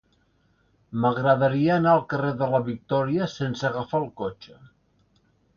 M'agradaria anar al carrer de la Victòria sense agafar el cotxe.